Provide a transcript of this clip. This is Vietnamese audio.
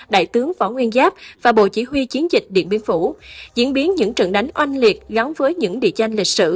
đại tướng võ nguyên giáp và bộ chỉ huy chiến dịch điện biên phủ diễn biến những trận đánh oanh liệt gắn với những địa danh lịch sử